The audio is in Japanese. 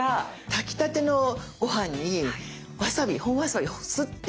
炊きたてのご飯にわさび本わさびをすって。